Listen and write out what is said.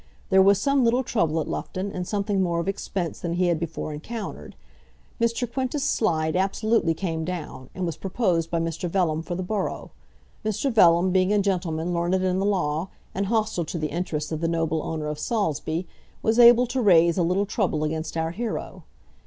There was some little trouble at Loughton, and something more of expense than he had before encountered. Mr. Quintus Slide absolutely came down, and was proposed by Mr. Vellum for the borough. Mr. Vellum being a gentleman learned in the law, and hostile to the interests of the noble owner of Saulsby, was able to raise a little trouble against our hero.